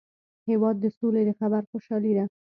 هېواد د سولي د خبر خوشالي ده.